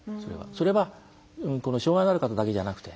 それは障害がある方だけじゃなくて。